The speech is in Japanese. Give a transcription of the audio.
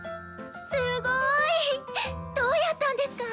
すごい！どうやったんですか？